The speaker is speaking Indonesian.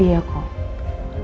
dia yang terus beri kembak